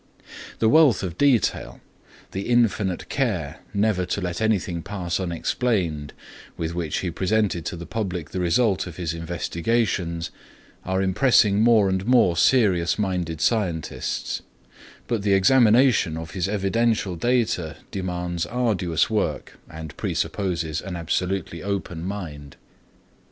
The wealth of detail, the infinite care never to let anything pass unexplained, with which he presented to the public the result of his investigations, are impressing more and more serious minded scientists, but the examination of his evidential data demands arduous work and presupposes an absolutely open mind.